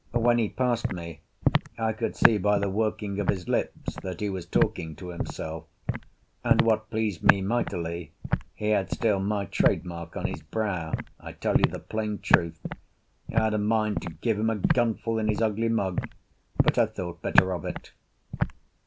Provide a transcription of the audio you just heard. When he passed me I could see by the working of his lips that he was talking to himself, and what pleased me mightily, he had still my trade mark on his brow, I tell you the plain truth: I had a mind to give him a gunful in his ugly mug, but I thought better of it.